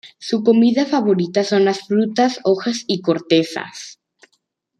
Su comida favorita son las frutas, hojas y cortezas.